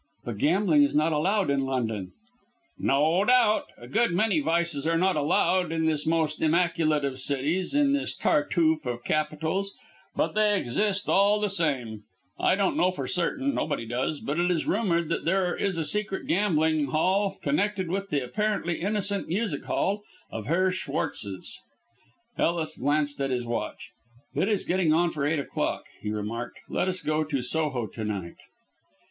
"But gambling is not allowed in London." "No doubt. A good many vices are not allowed in this most immaculate of cities, in this Tartuffe of capitals, but they exist all the same. I don't know for certain, nobody does, but it is rumoured that there is a secret gambling hell connected with the apparently innocent music hall of Herr Schwartz's." Ellis glanced at his watch. "It is getting on for eight o'clock," he remarked. "Let us go to Soho to night."